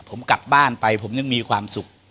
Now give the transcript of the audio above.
ผมกลับบ้านไปผมยังมีความสุข